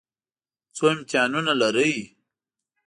څو امتحانه لرئ؟